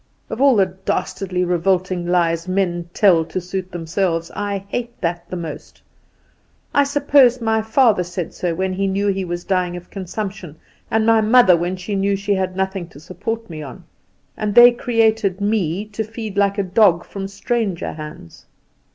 Of all the dastardly revolting lies men tell to suit themselves, I hate that most. I suppose my father said so when he knew he was dying of consumption, and my mother when she knew she had nothing to support me on, and they created me to feed like a dog from stranger hands.